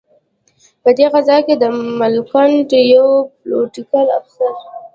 په دې غزا کې د ملکنډ یو پلوټیکل افسر.